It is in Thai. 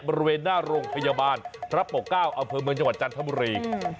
บริเวณหน้าโรงพยาบาลทรัพย์ปก้าวอเผินเมืองจังหวัดจันทร์ธรรมรี